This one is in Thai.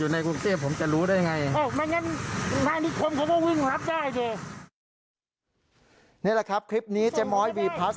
นี่แหละครับคลิปนี้เจ๊ม้อยวีพลัส